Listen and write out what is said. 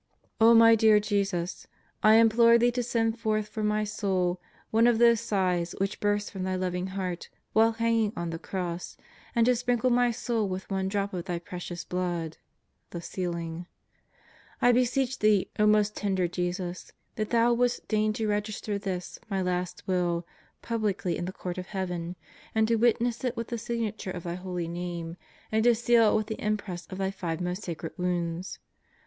my dear Jesus, I implore Thee to send forth for my soul, one of those sighs which burst from Thy loving heart while hanging on the Cross, and to sprinkle my soul with one drop of Thy Precious Blood (the sealing) . 1 beseech Thee, most tender Jesus, that Thou wouldst deign to register this, my last will, publicly in the Court of Heaven, and to witness it with the signature of Thy holy name, and to seal it with the impress of Thy five most sacred wounds.